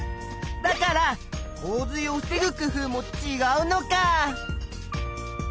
だから洪水を防ぐ工夫もちがうのか。